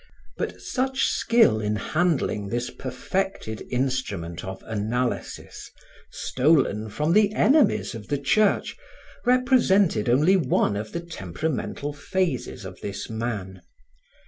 But such skill in handling this perfected instrument of analysis, stolen from the enemies of the Church, represented only one of the temperamental phases of this man.